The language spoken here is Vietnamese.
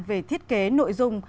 về thiết kế nội dung